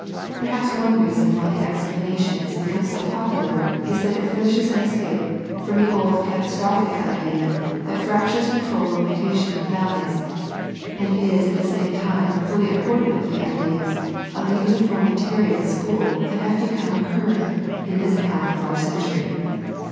Pei'haps one reason why the explanation has become so popular is that it furnishes an escape from the old catastrophic idea that fractures control the location of valleys, and is at the same time fully accordant with the ideas of the unif orm itarian school that have become current in this half of our cen tury.